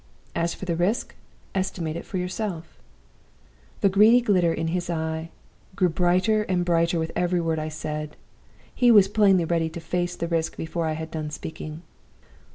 As for the risk, estimate it for yourself.' "The greedy glitter in his eyes grew brighter and brighter with every word I said. He was plainly ready to face the risk before I had done speaking.